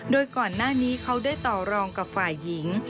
โดยก่อนหน้านี้เขาได้ต่อรองกับฝ่ายหญิง